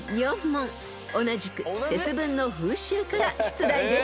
［同じく節分の風習から出題です］